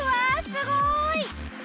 すごーい！